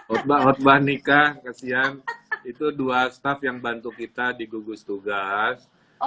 obat obat nikah kesian itu dua staf yang bantu kita digugus tugas